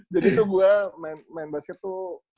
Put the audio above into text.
jadi tuh gue main basket tuh